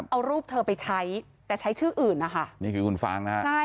เอารูปเธอไปใช้แต่ใช้ชื่ออื่นนะคะนี่คือคุณฟางนะฮะใช่